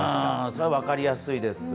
それ、分かりやすいです。